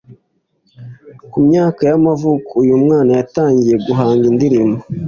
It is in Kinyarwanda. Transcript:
Ku myaka y’amavuko uyu mwana yatangiye guhanga indirimbo